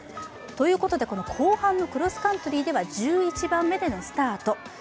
ということで、後半のクロスカントリーでは１１番目のスタート。